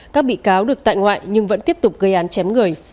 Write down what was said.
các bị cáo được tại ngoại nhưng vẫn tiếp tục gây án chém người